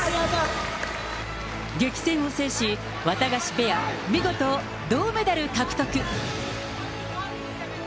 激戦を制し、ワタガシペア、見事、銅メダル獲得。